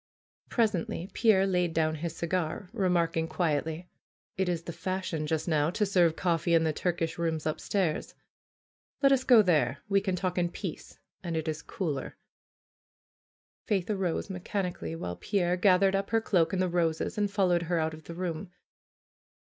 Presently Pierre laid down his cigar, remarking quietly : FAITH 241 ^Tt is the fashion just now to serve coffee in the Turkish rooms upstairs. Let us go there. We can talk in peace, and it is cooler.'' Faith arose mechanically, while Pierre gathered up her cloak and the roses, and followed her out of the room.